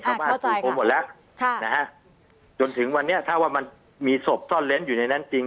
ชาวบ้านกลุ่มผมหมดแล้วค่ะนะฮะจนถึงวันนี้ถ้าว่ามันมีศพซ่อนเล้นอยู่ในนั้นจริง